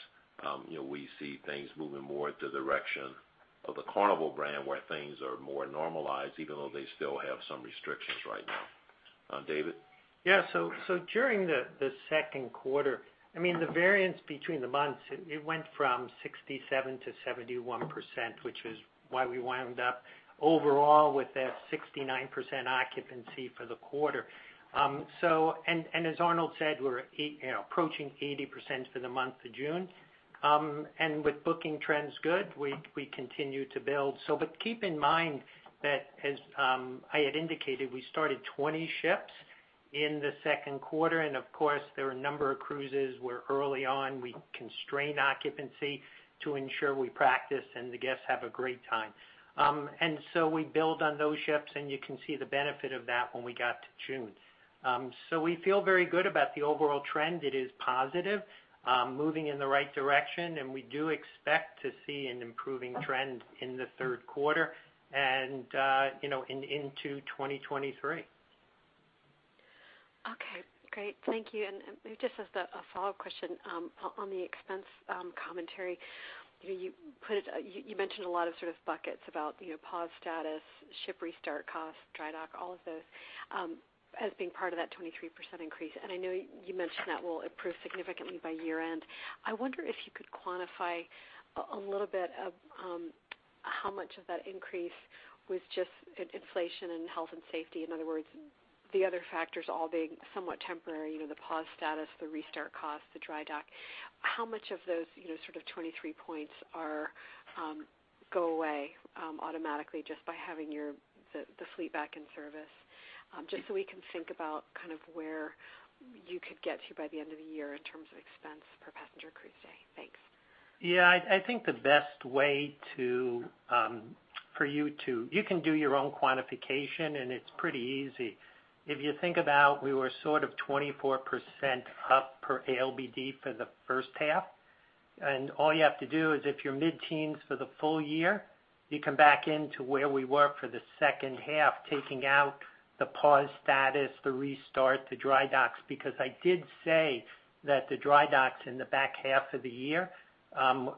you know, we see things moving more the direction of the Carnival brand where things are more normalized, even though they still have some restrictions right now. David? Yeah. During the second quarter, I mean, the variance between the months, it went from 67%-71%, which is why we wound up overall with that 69% occupancy for the quarter. As Arnold said, we're you know, approaching 80% for the month of June. With booking trends good, we continue to build. Keep in mind that as I had indicated, we started 20 ships in the second quarter, and of course there are a number of cruises where early on we constrained occupancy to ensure we practice and the guests have a great time. We build on those ships, and you can see the benefit of that when we got to June. We feel very good about the overall trend. It is positive, moving in the right direction, and we do expect to see an improving trend in the third quarter and, you know, into 2023. Okay. Great. Thank you. Just as a follow-up question on the expense commentary, you know, you put it, you mentioned a lot of sort of buckets about, you know, pause status, ship restart costs, dry dock, all of those as being part of that 23% increase. I know you mentioned that will improve significantly by year-end. I wonder if you could quantify a little bit of how much of that increase was just in inflation and health and safety. In other words, the other factors all being somewhat temporary, you know, the pause status, the restart costs, the dry dock. How much of those, you know, sort of 23 points are go away automatically just by having the fleet back in service? Just so we can think about kind of where you could get to by the end of the year in terms of expense per passenger cruise day? Thanks. Yeah. I think the best way for you to, you can do your own quantification, and it's pretty easy. If you think about we were sort of 24% up per ALBD for the first half, and all you have to do is if you're mid-teens for the full year, you come back into where we were for the second half, taking out the pause status, the restart, the dry docks, because I did say that the dry docks in the back half of the year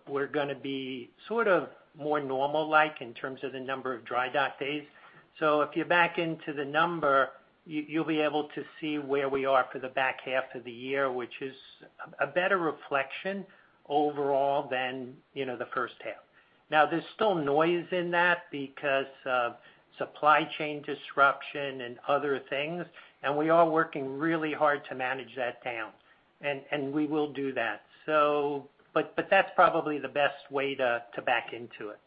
were gonna be sort of more normal-like in terms of the number of dry dock days. If you back into the number, you'll be able to see where we are for the back half of the year, which is a better reflection overall than the first half. Now, there's still noise in that because of supply chain disruption and other things, and we are working really hard to manage that down. We will do that. That's probably the best way to back into it.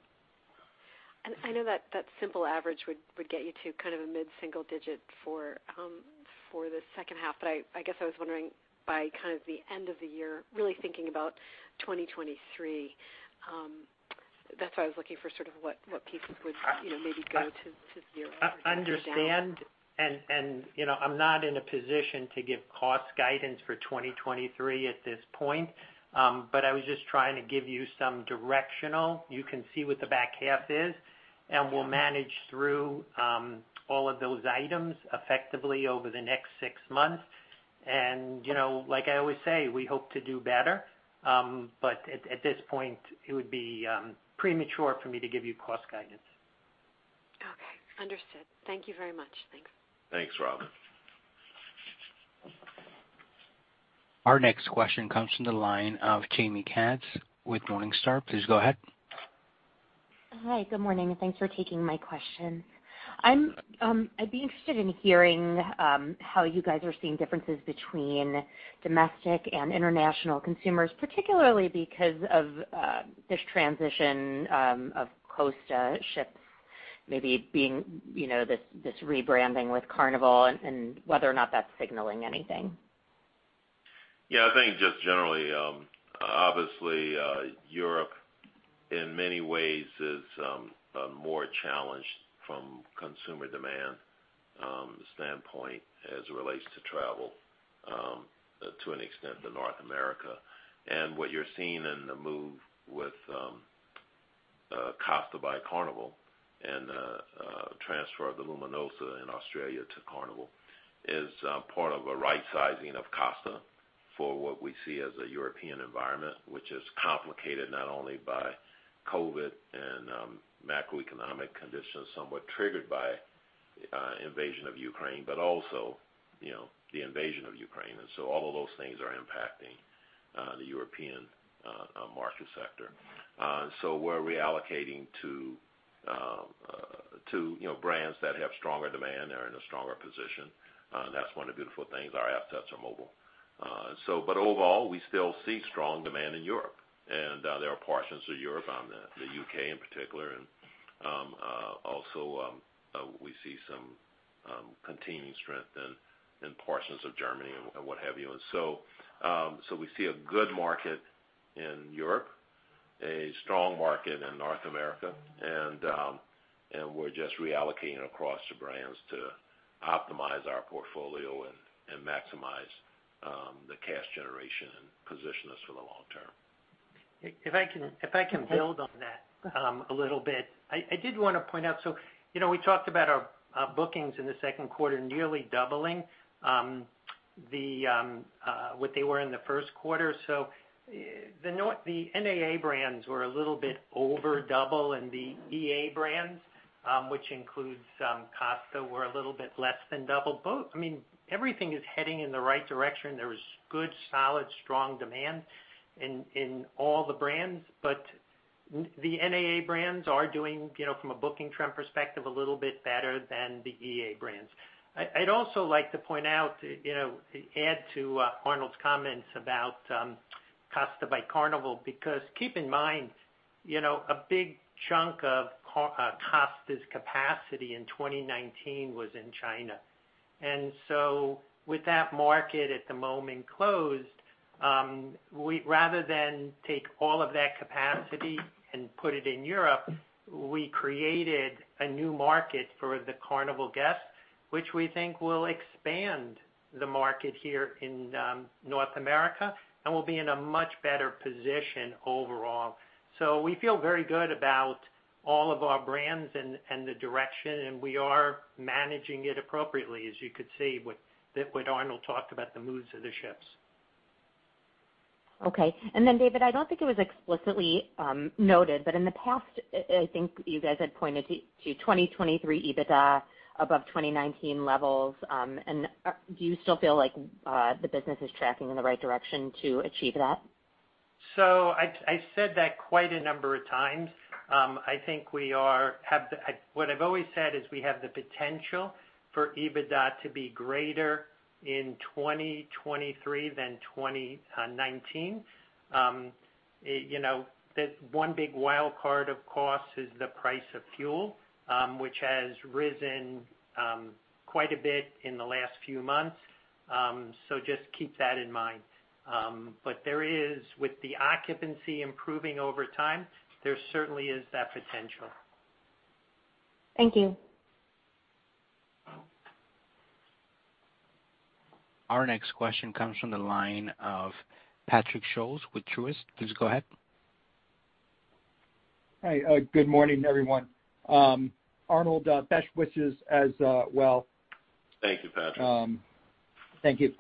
I know that that simple average would get you to kind of a mid-single digit for the second half. But I guess I was wondering by kind of the end of the year, really thinking about 2023, that's why I was looking for sort of what pieces would, you know, maybe go to zero or down. I understand, you know, I'm not in a position to give cost guidance for 2023 at this point. I was just trying to give you some directional. You can see what the back half is, and we'll manage through all of those items effectively over the next six months. You know, like I always say, we hope to do better. At this point, it would be premature for me to give you cost guidance. Okay. Understood. Thank you very much. Thanks. Thanks, Robin. Our next question comes from the line of Jaime Katz with Morningstar. Please go ahead. Hi. Good morning, and thanks for taking my question. I'd be interested in hearing how you guys are seeing differences between domestic and international consumers, particularly because of this transition of Costa ships maybe being, you know, this rebranding with Carnival and whether or not that's signaling anything. Yeah. I think just generally, obviously, Europe in many ways is more challenged from consumer demand standpoint as it relates to travel, to an extent than North America. What you're seeing in the move with Costa by Carnival and transfer of the Luminosa in Australia to Carnival is part of a rightsizing of Costa for what we see as a European environment, which is complicated not only by COVID and macroeconomic conditions somewhat triggered by invasion of Ukraine, but also, you know, the invasion of Ukraine. All of those things are impacting the European market sector. We're reallocating to, you know, brands that have stronger demand, they're in a stronger position. That's one of the beautiful things. Our assets are mobile. Overall, we still see strong demand in Europe. There are portions of Europe, the UK in particular, and we see some continuing strength in portions of Germany and what have you. We see a good market in Europe, a strong market in North America, and we're just reallocating across the brands to optimize our portfolio and maximize the cash generation and position us for the long term. If I can build on that, a little bit. I did wanna point out, so, you know, we talked about our bookings in the second quarter nearly doubling what they were in the first quarter. The NAA brands were a little bit over double, and the EA brands, which includes Costa, were a little bit less than double. I mean, everything is heading in the right direction. There was good, solid, strong demand in all the brands. The NAA brands are doing, you know, from a booking trend perspective, a little bit better than the EA brands. I'd also like to point out, you know, add to Arnold's comments about Costa by Carnival, because keep in mind, you know, a big chunk of Costa's capacity in 2019 was in China. With that market at the moment closed, we'd rather than take all of that capacity and put it in Europe, we created a new market for the Carnival guests, which we think will expand the market here in North America, and we'll be in a much better position overall. We feel very good about all of our brands and the direction, and we are managing it appropriately, as you could see with what Arnold talked about the moves of the ships. Okay. David, I don't think it was explicitly noted, but in the past, I think you guys had pointed to 2023 EBITDA above 2019 levels. Do you still feel like the business is tracking in the right direction to achieve that? I've said that quite a number of times. I think what I've always said is we have the potential for EBITDA to be greater in 2023 than 2019. It, you know, that one big wild card, of course, is the price of fuel, which has risen quite a bit in the last few months. Just keep that in mind. There is, with the occupancy improving over time, there certainly is that potential. Thank you. Our next question comes from the line of Patrick Scholes with Truist. Please go ahead. Hi. Good morning, everyone. Arnold, best wishes as well. Thank you, Patrick. Thank you.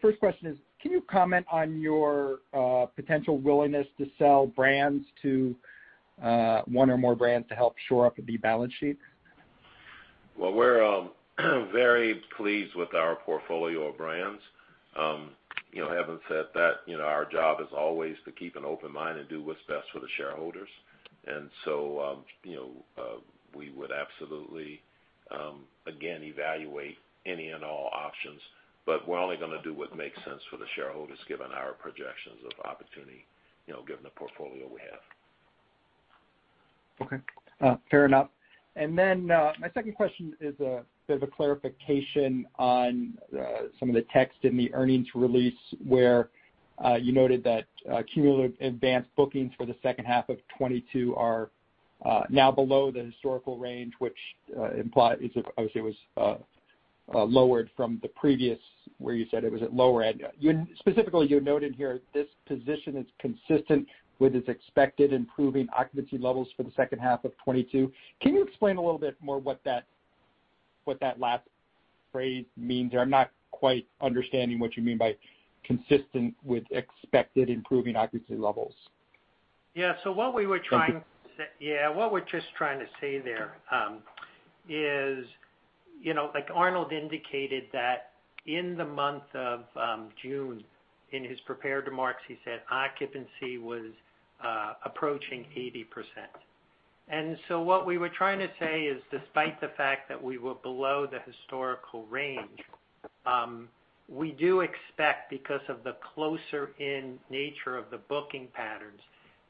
First question is, can you comment on your potential willingness to sell brands to one or more brands to help shore up the balance sheet? Well, we're very pleased with our portfolio of brands. You know, having said that, you know, our job is always to keep an open mind and do what's best for the shareholders. You know, we would absolutely again evaluate any and all options, but we're only gonna do what makes sense for the shareholders given our projections of opportunity, you know, given the portfolio we have. Okay. Fair enough. Then my second question is a bit of a clarification on some of the text in the earnings release where you noted that cumulative advanced bookings for the second half of 2022 are now below the historical range, which implies, of course, it was lowered from the previous where you said it was at lower end. Specifically, you noted here this position is consistent with its expected improving occupancy levels for the second half of 2022. Can you explain a little bit more what that last phrase means? I'm not quite understanding what you mean by consistent with expected improving occupancy levels. Yeah. What we were trying. Thank you. Yeah. What we're just trying to say there is, you know, like Arnold indicated that in the month of June, in his prepared remarks, he said occupancy was approaching 80%. What we were trying to say is despite the fact that we were below the historical range, we do expect because of the closer in nature of the booking patterns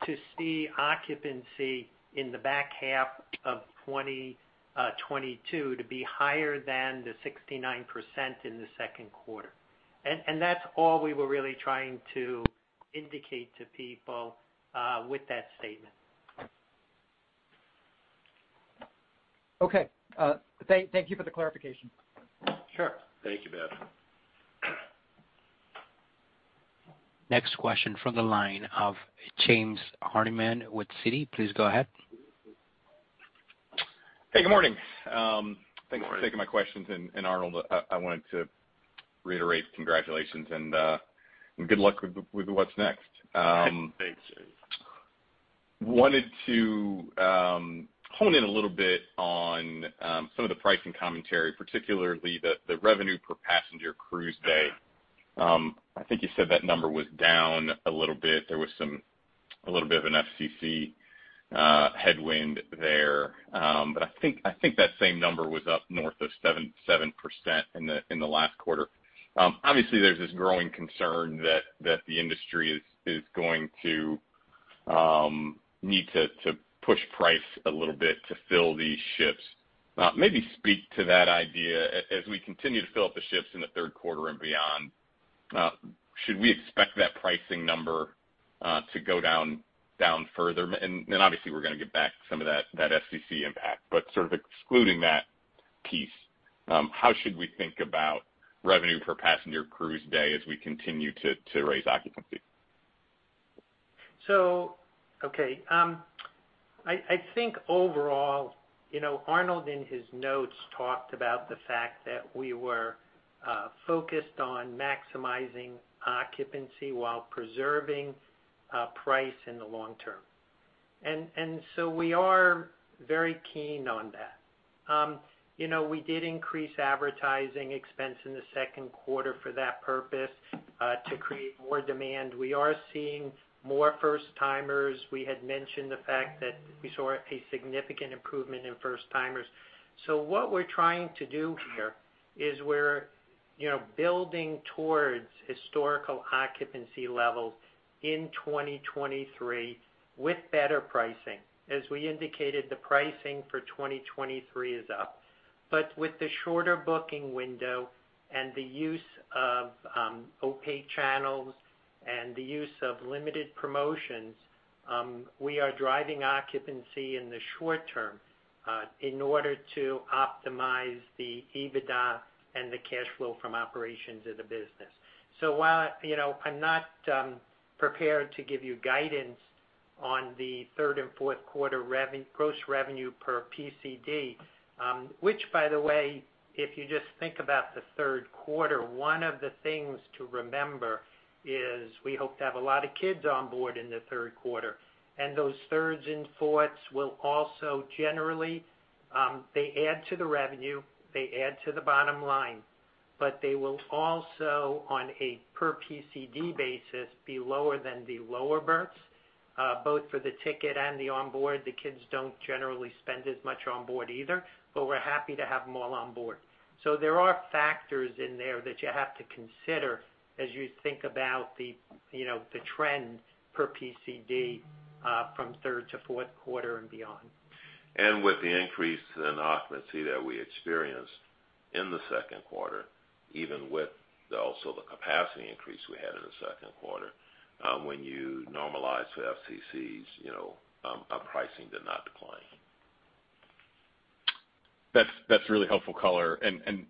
to see occupancy in the back half of 2022 to be higher than the 69% in the second quarter. That's all we were really trying to indicate to people with that statement. Okay. Thank you for the clarification. Sure. Thank you, Ben. Next question from the line of James Hardiman with Citi. Please go ahead. Hey, good morning. Good morning. Thanks for taking my questions. Arnold, I wanted to reiterate congratulations and good luck with what's next. Thanks, James. Wanted to hone in a little bit on some of the pricing commentary, particularly the revenue per passenger cruise day. I think you said that number was down a little bit. There was a little bit of an FCC headwind there. But I think that same number was up north of 7% in the last quarter. Obviously, there's this growing concern that the industry is going to need to push price a little bit to fill these ships. Maybe speak to that idea as we continue to fill up the ships in the third quarter and beyond. Should we expect that pricing number to go down further? Then obviously, we're gonna get back some of that FCC impact. Sort of excluding that piece, how should we think about revenue per passenger cruise day as we continue to raise occupancy? I think overall, you know, Arnold, in his notes, talked about the fact that we were focused on maximizing occupancy while preserving price in the long term. We are very keen on that. You know, we did increase advertising expense in the second quarter for that purpose to create more demand. We are seeing more first-timers. We had mentioned the fact that we saw a significant improvement in first-timers. What we're trying to do here is, you know, building towards historical occupancy levels in 2023 with better pricing. As we indicated, the pricing for 2023 is up. With the shorter booking window and the use of opaque channels and the use of limited promotions, we are driving occupancy in the short term, in order to optimize the EBITDA and the cash flow from operations of the business. While, you know, I'm not prepared to give you guidance on the third and fourth quarter gross revenue per PCD, which by the way, if you just think about the third quarter, one of the things to remember is we hope to have a lot of kids on board in the third quarter, and those thirds and fourths will also generally, they add to the revenue, they add to the bottom line. They will also, on a per PCD basis, be lower than the lower berths, both for the ticket and the onboard. The kids don't generally spend as much onboard either, but we're happy to have them all on board. There are factors in there that you have to consider as you think about the, you know, the trend per PCD from third to fourth quarter and beyond. With the increase in occupancy that we experienced in the second quarter, even with, also, the capacity increase we had in the second quarter, when you normalize the FCCs, you know, our pricing did not decline. That's really helpful color.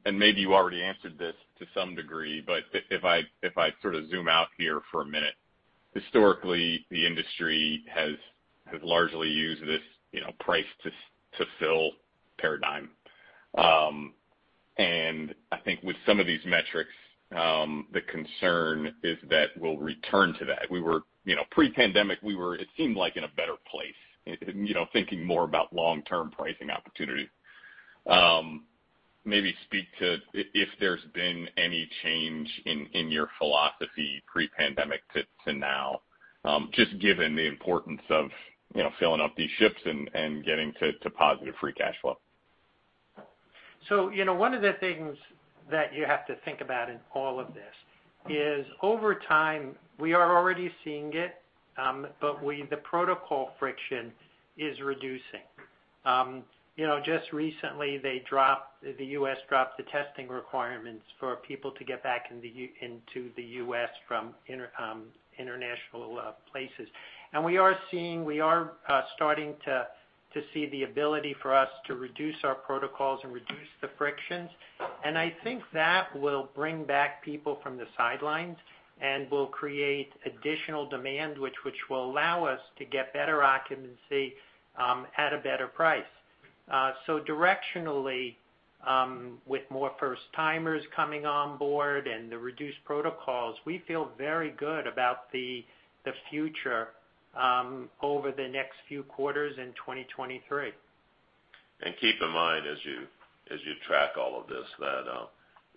Maybe you already answered this to some degree, but if I sort of zoom out here for a minute. Historically, the industry has largely used this, you know, price to fill paradigm. I think with some of these metrics, the concern is that we'll return to that. You know, pre-pandemic, we were, it seemed like, in a better place, and, you know, thinking more about long-term pricing opportunities. Maybe speak to if there's been any change in your philosophy pre-pandemic to now, just given the importance of, you know, filling up these ships and getting to positive free cash flow. You know, one of the things that you have to think about in all of this is over time, we are already seeing it, the protocol friction is reducing. You know, just recently, the US dropped the testing requirements for people to get back into the US from international places. We are starting to see the ability for us to reduce our protocols and reduce the frictions. I think that will bring back people from the sidelines and will create additional demand, which will allow us to get better occupancy at a better price. Directionally, with more first-timers coming on board and the reduced protocols, we feel very good about the future over the next few quarters in 2023. Keep in mind as you track all of this,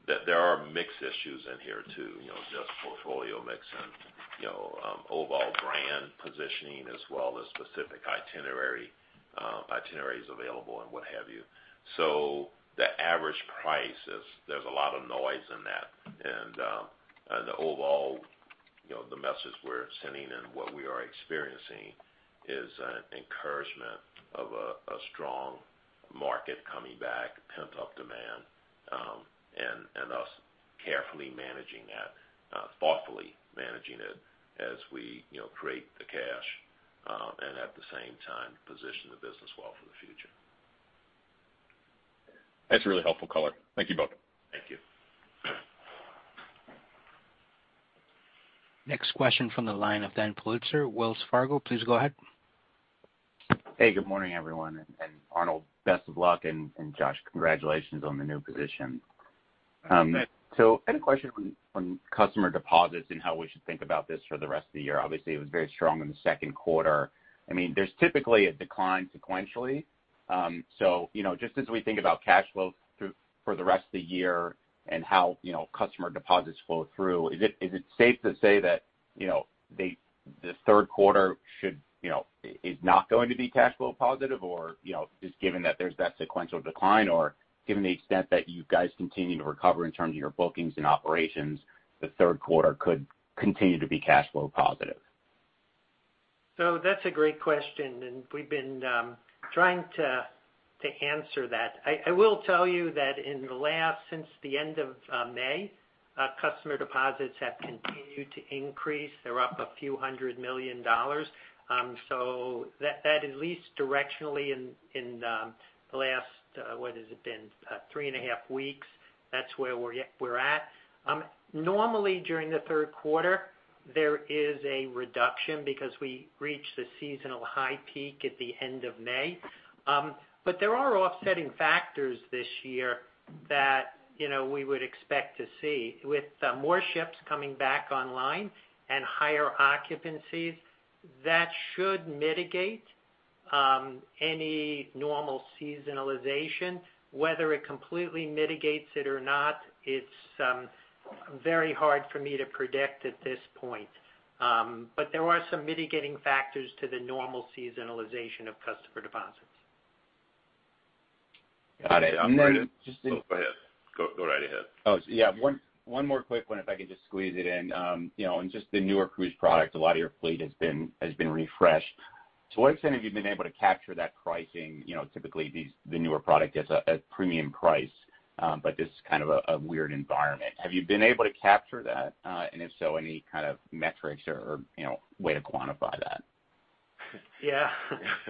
that there are mix issues in here too, you know, just portfolio mix and, you know, overall brand positioning as well as specific itinerary, itineraries available and what have you. The average price, there's a lot of noise in that. The overall, you know, the message we're sending and what we are experiencing is an encouragement of a strong market coming back, pent-up demand, and us carefully managing that, thoughtfully managing it as we, you know, create the cash, and at the same time position the business well for the future. That's a really helpful color. Thank you both. Thank you. Next question from the line of Daniel Politzer, Wells Fargo. Please go ahead. Hey, good morning, everyone. Arnold, best of luck, and Josh, congratulations on the new position. Thank you. I had a question on customer deposits and how we should think about this for the rest of the year. Obviously, it was very strong in the second quarter. I mean, there's typically a decline sequentially. You know, just as we think about cash flow through for the rest of the year and how, you know, customer deposits flow through, is it safe to say that, you know, this third quarter should, you know, is not going to be cash flow positive? Or, you know, just given that there's that sequential decline, or given the extent that you guys continue to recover in terms of your bookings and operations, the third quarter could continue to be cash flow positive. That's a great question, and we've been trying to answer that. I will tell you that since the end of May, customer deposits have continued to increase. They're up a few hundred million dollars. That at least directionally in the last, what has it been, 3.5 weeks, that's where we're at. Normally during the third quarter, there is a reduction because we reach the seasonal high peak at the end of May. There are offsetting factors this year that, you know, we would expect to see. With more ships coming back online and higher occupancies, that should mitigate any normal seasonalization. Whether it completely mitigates it or not, it's very hard for me to predict at this point. There are some mitigating factors to the normal seasonalization of customer deposits. Got it. Oh, go ahead. Go right ahead. Oh, yeah. One more quick one, if I could just squeeze it in. You know, in just the newer cruise product, a lot of your fleet has been refreshed. To what extent have you been able to capture that pricing? You know, typically these, the newer product gets a premium price, but this is kind of a weird environment. Have you been able to capture that? And if so, any kind of metrics or, you know, way to quantify that? Yeah.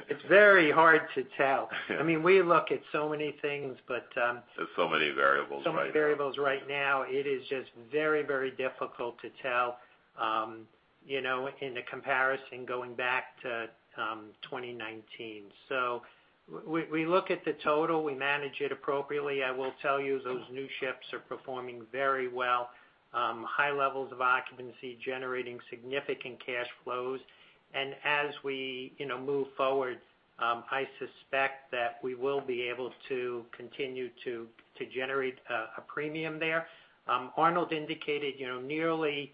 It's very hard to tell. Yeah. I mean, we look at so many things, but. There's so many variables right now. So many variables right now. It is just very, very difficult to tell, you know, in the comparison going back to 2019. We look at the total, we manage it appropriately. I will tell you, those new ships are performing very well, high levels of occupancy, generating significant cash flows. As we, you know, move forward, I suspect that we will be able to continue to generate a premium there. Arnold indicated, you know, nearly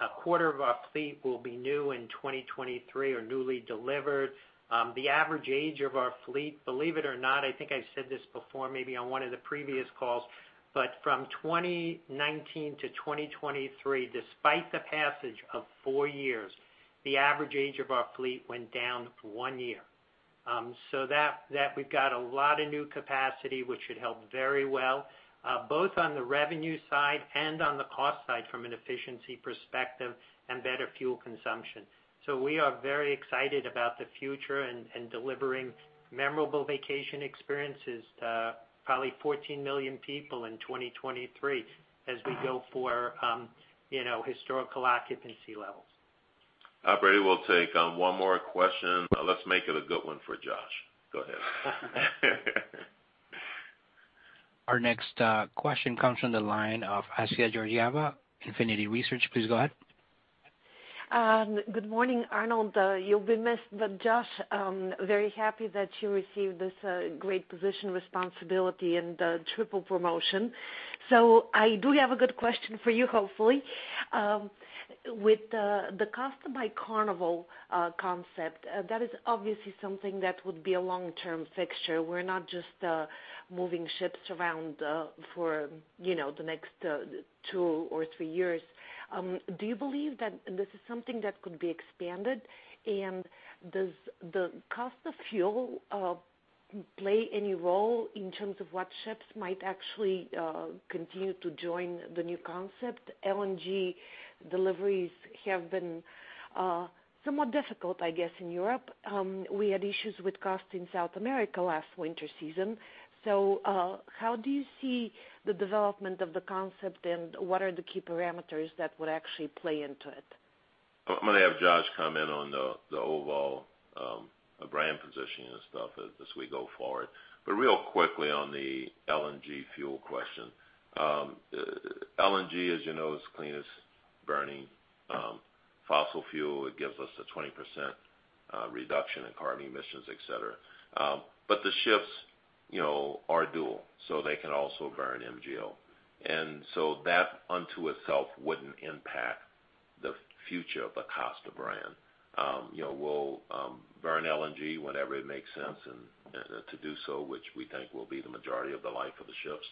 a quarter of our fleet will be new in 2023 or newly delivered. The average age of our fleet, believe it or not, I think I said this before maybe on one of the previous calls, but from 2019 to 2023, despite the passage of four years, the average age of our fleet went down one year. That we've got a lot of new capacity, which should help very well both on the revenue side and on the cost side from an efficiency perspective and better fuel consumption. We are very excited about the future and delivering memorable vacation experiences to probably 14 million people in 2023 as we go for you know historical occupancy levels. Operator, we'll take one more question. Let's make it a good one for Josh. Go ahead. Our next question comes from the line of Assia Georgieva, Infinity Research. Please go ahead. Good morning, Arnold. You'll be missed, but Josh, very happy that you received this great position, responsibility and triple promotion. I do have a good question for you, hopefully. With the Costa by Carnival concept, that is obviously something that would be a long-term fixture. We're not just moving ships around for, you know, the next two or three years. Do you believe that this is something that could be expanded? Does the cost of fuel play any role in terms of what ships might actually continue to join the new concept? LNG deliveries have been somewhat difficult, I guess, in Europe. We had issues with cost in South America last winter season. How do you see the development of the concept, and what are the key parameters that would actually play into it? I'm gonna have Josh comment on the overall brand positioning and stuff as we go forward. Real quickly on the LNG fuel question. LNG, as you know, is the cleanest-burning fossil fuel. It gives us a 20% reduction in carbon emissions, et cetera. The ships, you know, are dual, so they can also burn MGO. So that in and of itself wouldn't impact the future of the Costa brand. You know, we'll burn LNG whenever it makes sense and to do so, which we think will be the majority of the life of the ships.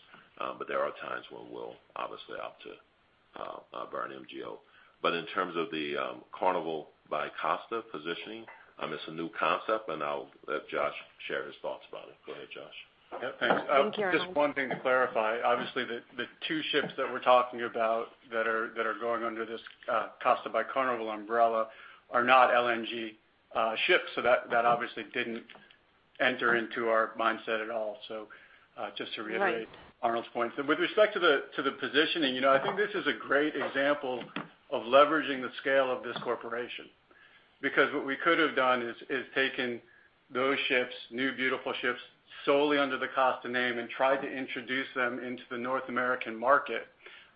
There are times when we'll obviously opt to burn MGO. In terms of the Costa by Carnival positioning, it's a new concept, and I'll let Josh share his thoughts about it. Go ahead, Josh. Yeah, thanks. Carnival. Just one thing to clarify, obviously, the two ships that we're talking about that are going under this Costa by Carnival umbrella are not LNG ships, so that obviously didn't enter into our mindset at all. Just to reiterate. Right. Arnold's point. With respect to the positioning, you know, I think this is a great example of leveraging the scale of this corporation because what we could have done is taken those ships, new beautiful ships, solely under the Costa name and tried to introduce them into the North American market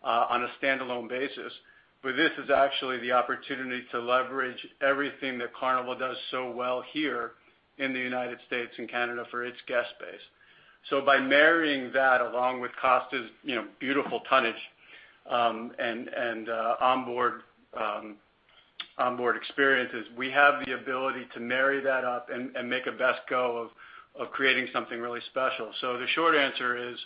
on a standalone basis. This is actually the opportunity to leverage everything that Carnival does so well here in the United States and Canada for its guest base. By marrying that along with Costa's, you know, beautiful tonnage and onboard experiences, we have the ability to marry that up and make the best go of creating something really special. The short answer is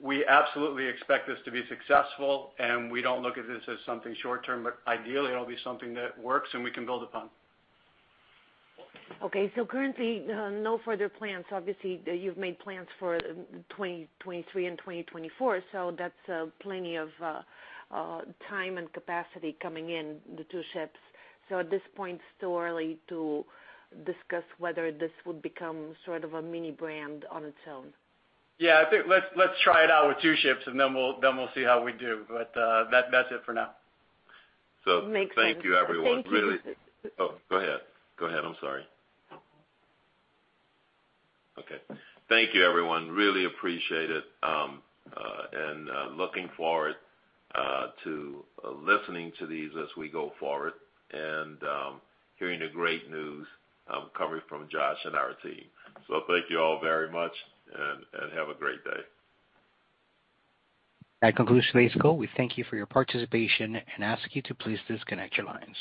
we absolutely expect this to be successful, and we don't look at this as something short-term, but ideally it'll be something that works and we can build upon. Okay. Currently, no further plans. Obviously, you've made plans for 2023 and 2024, so that's plenty of time and capacity coming in the two ships. At this point, it's too early to discuss whether this would become sort of a mini brand on its own. Yeah, I think let's try it out with two ships and then we'll see how we do. That's it for now. Thank you, everyone. Makes sense. Thank you. Oh, go ahead. I'm sorry. Okay. Thank you, everyone. Really appreciate it and looking forward to listening to these as we go forward and hearing the great news coming from Josh and our team. Thank you all very much and have a great day. That concludes today's call. We thank you for your participation and ask you to please disconnect your lines.